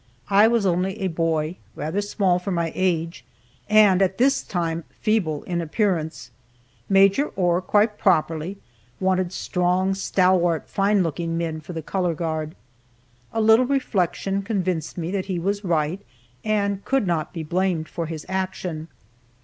I was only a boy, rather small for my age, and at this time feeble in appearance. Maj. Ohr, quite properly, wanted strong, stalwart, fine looking men for the color guard. A little reflection convinced me that he was right, and could not be blamed for his action.